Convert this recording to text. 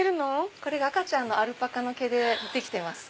これが赤ちゃんのアルパカの毛でできてます。